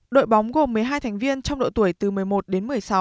đội bóng gồm một mươi hai thành viên trong độ tuổi từ một mươi một đến một mươi sáu